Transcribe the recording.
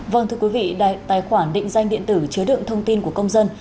vâng thưa quý vị tài khoản định danh điện tử chứa đựng thông tin của công dân